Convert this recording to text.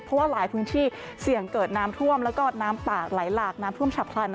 เพราะว่าหลายพื้นที่เสี่ยงเกิดน้ำท่วมแล้วก็น้ำป่าไหลหลากน้ำท่วมฉับพลัน